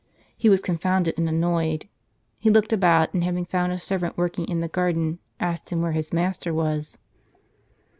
He was confounded and annoyed. He looked about; and having found a servant working in the garden, asked him where his master was.